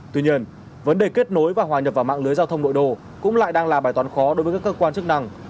tuy nhiên vấn đề kết nối và hòa nhập vào mạng lưới giao thông nội đô cũng lại đang là bài toán khó đối với các cơ quan chức năng